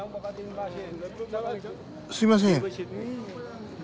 すいません。